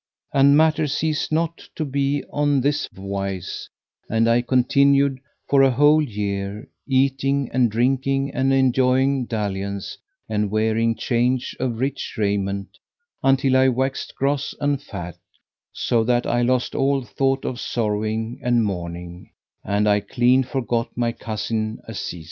And matters ceased not to be on this wise and I continued for a whole year eating and drinking and enjoying dalliance and wearing change of rich raiment until I waxed gross and fat, so that I lost all thought of sorrowing and mourning, and I clean forgot my cousin Azizah.